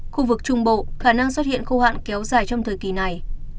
khu vực trung bộ khả năng xuất hiện khô hạn kéo dài trong thời kỳ này